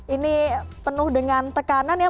ini penuh dengan tekanan ya